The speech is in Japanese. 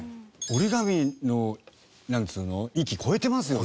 折り紙のなんつうの域超えてますよね。